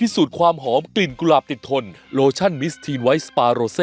สุดคู่ดีครับ